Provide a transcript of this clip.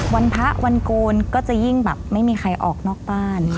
วันพระวันโกนก็จะยิ่งแบบไม่มีใครออกนอกบ้าน